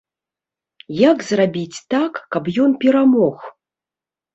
Як зрабіць так, каб ён перамог?